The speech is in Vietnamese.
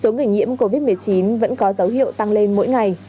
số người nhiễm covid một mươi chín vẫn có dấu hiệu tăng lên mỗi ngày